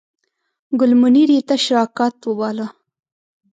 ګل منیر یې تش راکات باله.